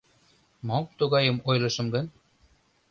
— Мом тугайым ойлышым гын?